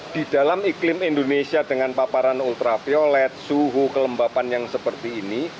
di dalam iklim indonesia dengan paparan ultraviolet suhu kelembapan yang seperti ini